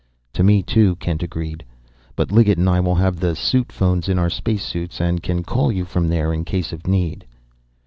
"To me, too," Kent agreed. "But Liggett and I will have the suit phones in our space suits and can call you from there in case of need."